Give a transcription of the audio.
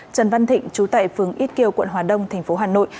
trần văn thịnh chú tại phường ít kiều quận hòa đông thành phố hà nội